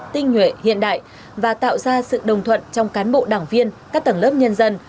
tinh nhuệ hiện đại và tạo ra sự đồng thuận trong cán bộ đảng viên các tầng lớp nhân dân